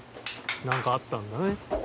何かあったんだね。